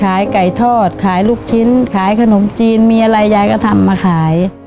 ขายไก่ทอดขายลูกชิ้นขายขนมจีนมีอะไรยายก็ทำมาขาย